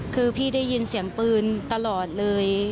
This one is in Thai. คือพี่ได้ยินเสียงปืนตลอดเลย